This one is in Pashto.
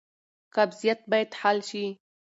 قبضیت باید حل شي.